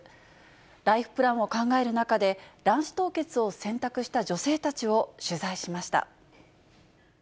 ライフプランを考える中で、卵子凍結を選択した女性たちを取材しました。